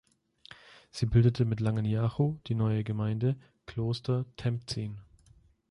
Sie bildete mit Langen Jarchow die neue Gemeinde Kloster Tempzin.